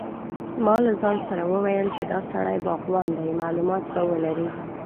ما له ځان سره وویل چې دا سړی باغوان دی معلومات به ولري.